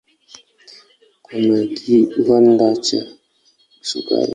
Kuna kiwanda cha sukari.